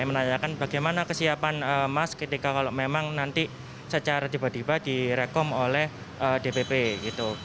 saya menanyakan bagaimana kesiapan mas ketika kalau memang nanti secara tiba tiba direkom oleh dpp gitu